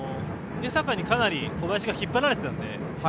江坂にかなり小林が引っ張られていたので。